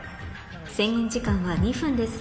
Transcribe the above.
制限時間は２分です